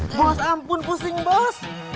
bos ampun pusing bos